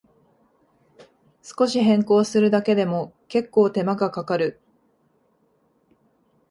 少し変更するだけでも、けっこう手間がかかる